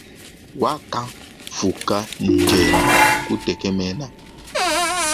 Wakamfuka ndienu kutekemena.